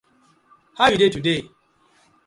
How you dey today?